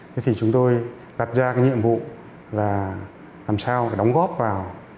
thế thì chúng tôi đặt ra cái nhiệm vụ là làm sao để đóng góp vào